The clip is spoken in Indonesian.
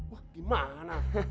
wah di mana